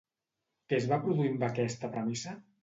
Què es va produir amb aquesta premissa?